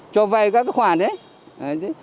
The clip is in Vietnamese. cho vay các cái khoản đấy